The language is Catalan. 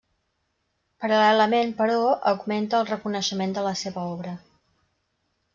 Paral·lelament, però, augmenta el reconeixement de la seva obra.